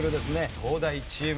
東大チーム。